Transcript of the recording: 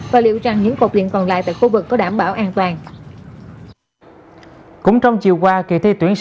và liệu rằng những cột điện còn lại tại khu vực có đảm bảo an toàn